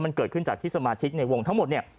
มันเกิดขึ้นจากที่สมาชิกในวงทั้งหมดเนี่ย